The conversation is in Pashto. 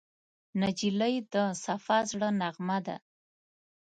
نجلۍ د صفا زړه نغمه ده.